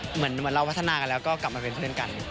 เหมือนเราพัฒนากันแล้วก็กลับมาเป็นเพื่อนกัน